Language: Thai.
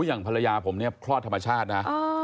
อย่างภรรยาผมเนี่ยคลอดธรรมชาตินะ